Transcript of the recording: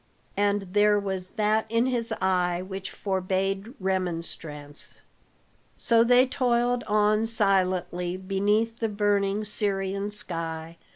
And there was that in his eye which forbade remonstrance. So they toiled on silently beneath the burning Syrian sky.